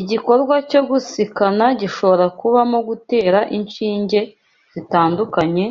Igikorwa cyo gusikana gishobora kubamo gutera inshinge zitandukanye,